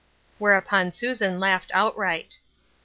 Whereupon Susan laughed outright.